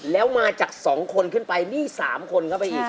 แล้วมาจาก๒คนขึ้นไปนี่๓คนเข้าไปอีก